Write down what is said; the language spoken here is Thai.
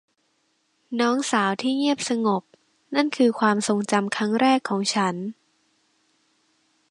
น้องสาวที่เงียบสงบนั่นคือความทรงจำครั้งแรกของฉัน